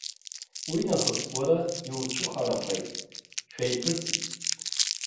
Уинахыс уара иуцәыхарахеит, шәеиԥырҵит.